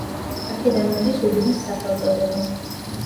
აქედან მოდის უბნის სახელწოდება.